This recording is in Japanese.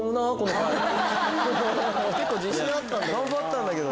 結構自信あったんだけど。